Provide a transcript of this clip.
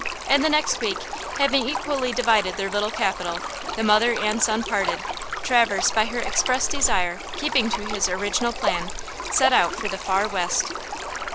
And the next week, having equally divided their little capital, the mother and son parted–Traverse, by her express desire, keeping to his original plan, set out for the far West.